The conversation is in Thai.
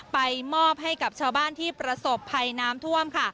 ไปมอบให้กับชาวบ้านที่ประสบภัยน้ำท่วมค่ะ